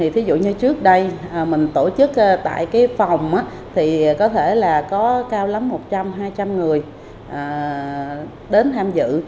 thí dụ như trước đây mình tổ chức tại cái phòng thì có thể là có cao lắm một trăm linh hai trăm linh người đến tham dự